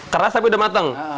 keras tapi sudah matang